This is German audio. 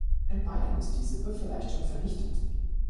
In Bayern ist die Sippe vielleicht schon vernichtet.